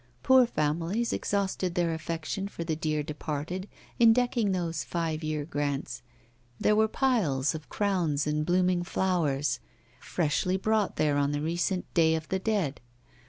Poor families exhausted their affection for the dear departed in decking those five year grants; there were piles of crowns and blooming flowers freshly brought there on the recent Day of the Dead.